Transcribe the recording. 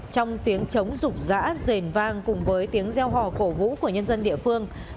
trong tiếng chống rục rã rền vang cùng với tiếng gieo hò cổ vũ của nhân dân địa phương